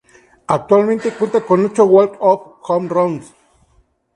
Actualmente cuenta con ocho walk-off home runs.